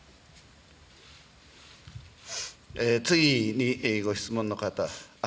次に、ご質問の方。